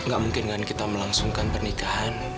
gak mungkin kan kita melangsungkan pernikahan